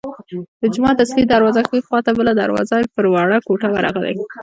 د جومات اصلي دروازې ښي خوا ته بله دروازه پر یوه وړه کوټه ورغلې.